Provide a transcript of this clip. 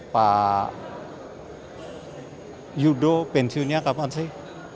pak yudo pensiunnya kapan sih